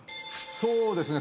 そうですね。